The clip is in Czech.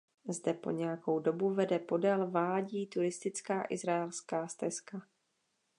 Zde po nějakou dobu vede podél vádí turistická Izraelská stezka.